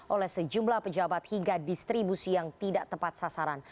oleh sejumlah pejabat hingga distribusi yang tidak tepat sasaran